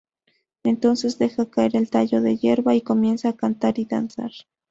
Entonces deja caer el tallo de hierba y comienza a cantar y danzar.